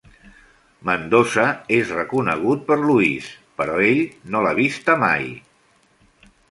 Mendoza és reconegut per Louisa, però ell no l'ha vista mai.